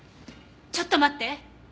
ちょっと待って！